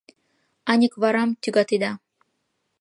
Аньыкварам тӱгатеда.